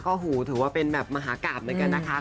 โอ้โหถือว่าเป็นแบบมหากราบเหมือนกันนะคะ